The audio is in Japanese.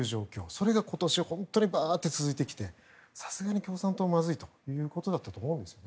それが今年本当に続いてきてさすがに共産党、まずいということだったと思います。